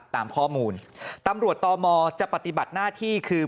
ตามข้อมูลตำรวจตมจะปฏิบัติหน้าที่คือ